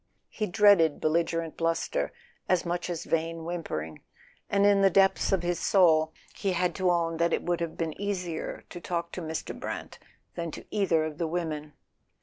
He dreaded bel¬ ligerent bluster as much as vain whimpering, and in the depths of his soul he had to own that it would have been easier to talk to Mr. Brant than to either of the women.